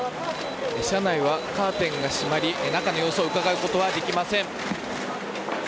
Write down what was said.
車内はカーテンが閉まり中の様子をうかがうことはできません。